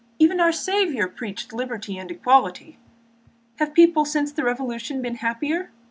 Even our Saviour preached liberty and equality. Have people since the Revolution become happier?